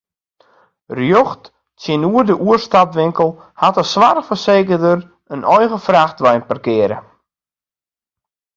Rjocht tsjinoer de oerstapwinkel hat de soarchfersekerder in eigen frachtwein parkearre.